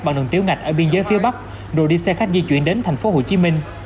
bằng đường tiểu ngạch ở biên giới phía bắc rồi đi xe khách di chuyển đến thành phố hồ chí minh